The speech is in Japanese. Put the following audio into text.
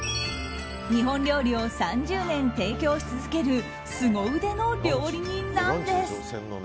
日本料理を３０年提供し続けるすご腕の料理人なんです。